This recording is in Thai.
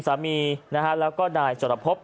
สามีแล้วก็นายจรภพ